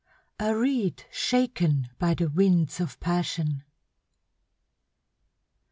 A REED SHAKEN BY THE WINDS OF PASSION.